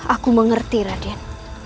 aku mengerti raden